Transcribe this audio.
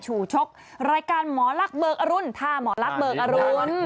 ชกรายการหมอลักษ์เบิกอรุณท่าหมอลักษณ์เบิกอรุณ